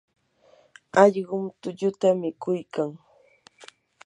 allqum tulluta mikuykan.